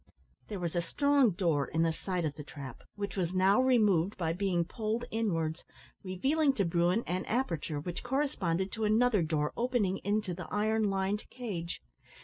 There was a strong door in the side of the trap, which was now removed by being pulled inwards, revealing to bruin an aperture which corresponded to another door opening into the iron lined cage.